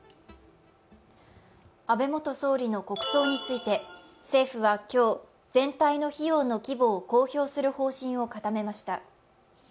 安倍元総理の国葬について政府は今日、全体の費用の規模を公表する方針を固めました。